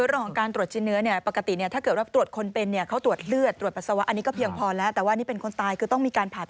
โดยเฉพาะคนตรวจใช่ไหมคะ